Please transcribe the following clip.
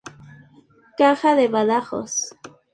Caja de Badajoz.